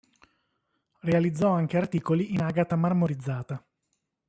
Realizzò anche articoli in agata marmorizzata.